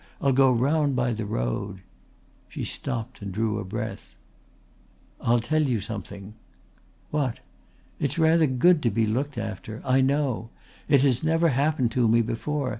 I'll go round by the road." She stopped and drew a breath. "I'll tell you something." "What?" "It's rather good to be looked after. I know. It has never happened to me before.